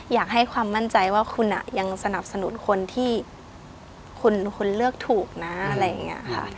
อยากให้ความมั่นใจว่าคุณยังสนับสนุนคนที่คุณเลือกถูกนะอะไรอย่างนี้ค่ะ